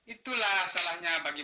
itulah salahnya bagi